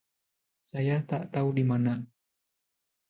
Saya tak tahu di mana.